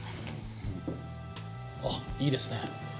あっいいですね。